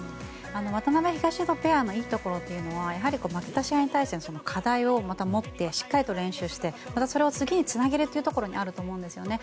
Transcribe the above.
渡辺、東野ペアのいいところはやはり、負けた試合に対しての課題を持ってしっかりと練習してそれを次につなげるところにあると思うんですね。